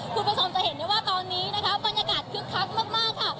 คุณผู้ชมจะเห็นได้ว่าตอนนี้นะคะบรรยากาศคึกคักมากค่ะ